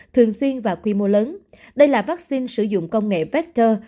thường xuyên và quy mô lớn đây là vaccine sử dụng công nghệ vector